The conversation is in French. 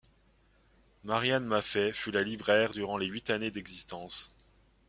Marianne Maffeis fut la libraire durant les huit années d'existence.